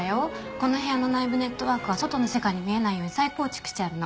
この部屋の内部ネットワークは外の世界に見えないように再構築してあるの。